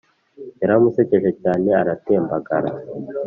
Yaramusekeje cyane aratembagara